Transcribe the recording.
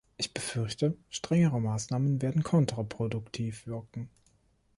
Ich befürchte, strengere Maßnahmen werden kontraproduktiv wirken.